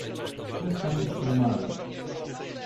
Przestań się mazać.